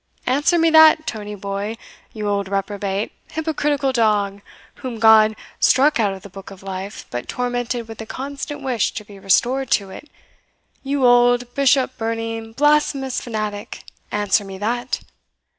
Answer me that, Tony boy, you old reprobate, hypocritical dog, whom God struck out of the book of life, but tormented with the constant wish to be restored to it you old bishop burning, blasphemous fanatic, answer me that."